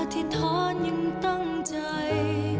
อธิษฐานยังตั้งใจ